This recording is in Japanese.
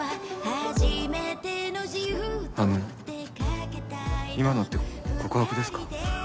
あの今のって告白ですか？